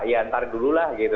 ya ntar dululah gitu